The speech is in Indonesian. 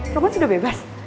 roman sudah bebas